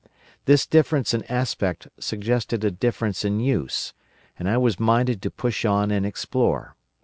This difference in aspect suggested a difference in use, and I was minded to push on and explore.